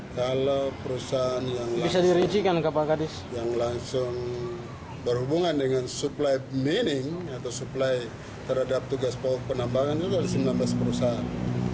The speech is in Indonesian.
kalau perusahaan yang langsung berhubungan dengan supply mining atau supply terhadap tugas penambangan itu ada sembilan belas perusahaan